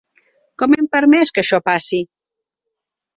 Com hem permès que això passi?